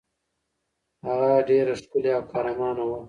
هغه ډېره ښکلې او قهرمانه وه.